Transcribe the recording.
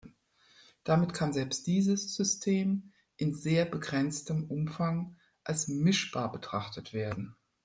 Damit kann selbst dieses System in sehr begrenztem Umfang als mischbar betrachtet werden.